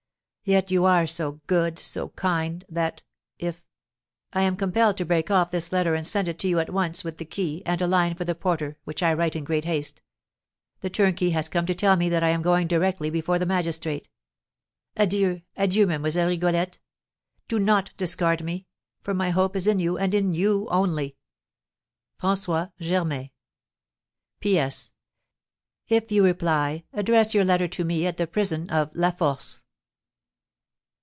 Yet you are so good, so kind, that if I am compelled to break off this letter and send it to you at once, with the key, and a line for the porter, which I write in great haste. The turnkey has come to tell me that I am going directly before the magistrate. Adieu, adieu, Mlle. Rigolette! Do not discard me, for my hope is in you, and in you only! "FRANÇOIS GERMAIN. "P. S. If you reply, address your letter to me at the prison of La Force."